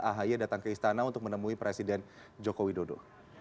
ahy datang ke istana untuk menemui presiden joko widodo